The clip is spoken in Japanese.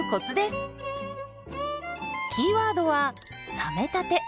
キーワードは「冷めたて」。